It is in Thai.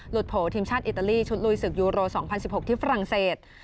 โผล่ทีมชาติอิตาลีชุดลุยศึกยูโร๒๐๑๖ที่ฝรั่งเศส